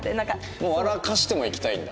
もう笑かしてもいきたいんだ。